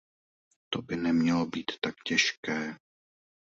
To by nemělo být tak těžké.